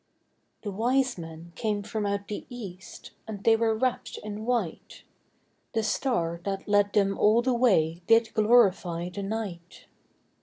The wise men came from out the east, And they were wrapped in white; The star that led them all the way Did glorify the night.